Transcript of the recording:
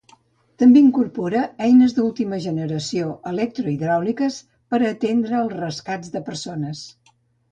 També incorpora eines d’última generació electrohidràuliques per a atendre els rescats de persones.